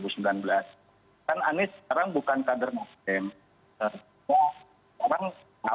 jadi kalau misalnya